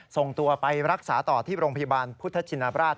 ส่งตัวไปรักษาต่อที่โรงพยาบาลพุทธชินบราช